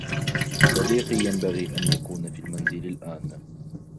صديقي ينبغي أن يكون في المنزل الأن.